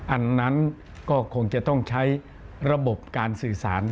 อันนั้นก็คงจะต้องใช้ระบบการสื่อสาร